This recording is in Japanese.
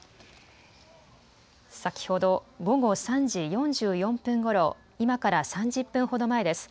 先ほど午後３時４４分ごろ、今から３０分ほど前です。